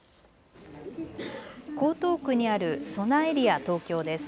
江東区にあるそなエリア東京です。